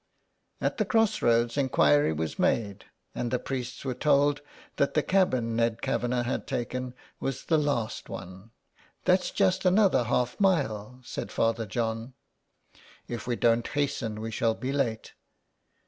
At the cross roads inquiry was made, and the priests were told that the cabin Ned Kavanagh had taken was the last one. '' That's just another half mile," said Father John. " If we don't hasten we shall be late."